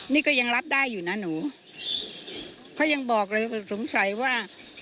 นี่ก็ยังรับได้อยู่นะหนูเขายังบอกเลยว่าสงสัยว่า